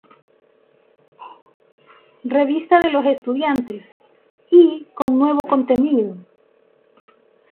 Revista de los estudiantes" y con nuevo contenido.